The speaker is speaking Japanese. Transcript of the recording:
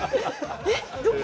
えっどこ？